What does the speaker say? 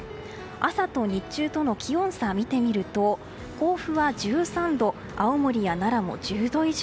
朝と日中との気温差を見てみると甲府は１３度青森や奈良も１０度以上。